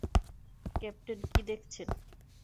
Captain, কি দেখছেন?